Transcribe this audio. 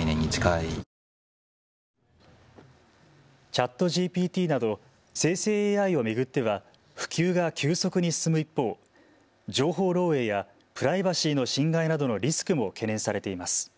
ＣｈａｔＧＰＴなど生成ＡＩを巡っては普及が急速に進む一方、情報漏えいやプライバシーの侵害などのリスクも懸念されています。